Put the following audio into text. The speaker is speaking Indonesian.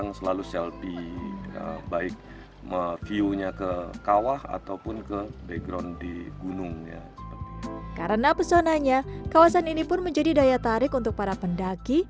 karena pesonanya kawasan ini pun menjadi daya tarik untuk para pendaki